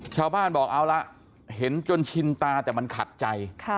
ชาวบ้านบอกเอาละเห็นจนชินตาแต่มันขัดใจ